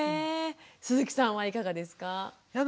鈴木さんはいかがですか？